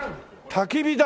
焚き火台？